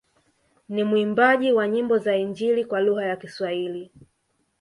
Ni mwimbaji wa nyimbo za injili kwa lugha ya Kiswahili